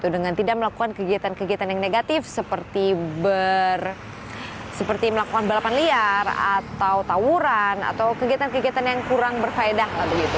dengan tidak melakukan kegiatan kegiatan yang negatif seperti melakukan balapan liar atau tawuran atau kegiatan kegiatan yang kurang berfaedah